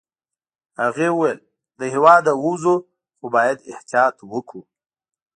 هغې وویل: له هیواده ووزو، خو باید احتیاط وکړو.